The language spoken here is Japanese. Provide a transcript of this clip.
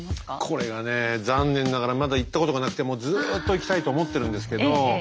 これがね残念ながらまだ行ったことがなくてもうずっと行きたいと思ってるんですけど